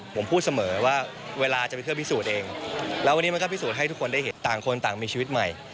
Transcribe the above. ผมพูดเสมอว่าเวลาจะเป็นเครื่องพิสูจน์เองแล้ววันนี้มันก็พิสูจน์ให้ทุกคนได้เห็นต่างคนต่างมีชีวิตใหม่